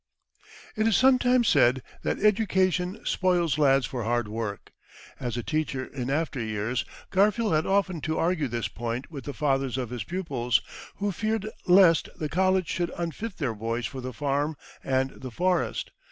It is sometimes said that education spoils lads for hard work. As a teacher in after years, Garfield had often to argue this point with the fathers of his pupils, who feared lest the college should unfit their boys for the farm and the forest.